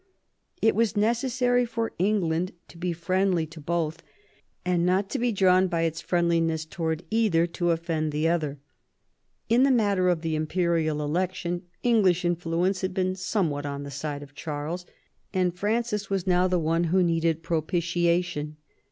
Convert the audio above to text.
It was necessary for England to be friendly to both, and TV THE FIELD OF THE CLOTH OF GOLD 67 not to be drawn by its friendliness towards either to offend the other. In the matter of the imperial election English influence had been somewhat on the side of Charles, and Francis was now the one who needed propitiation.